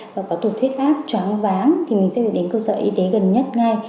và có tụt huyết áp chóng váng thì mình sẽ phải đến cơ sở y tế gần nhất ngay